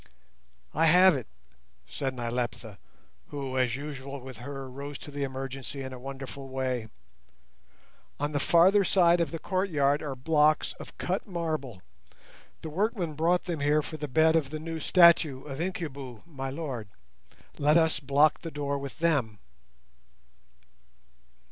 "I have it," said Nyleptha, who, as usual with her, rose to the emergency in a wonderful way. "On the farther side of the courtyard are blocks of cut marble—the workmen brought them there for the bed of the new statue of Incubu, my lord; let us block the door with them."